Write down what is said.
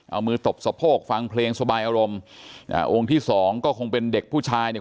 เอามือตบสะโพกฟังเพลงสบายอารมณ์อ่าองค์ที่สองก็คงเป็นเด็กผู้ชายเนี่ย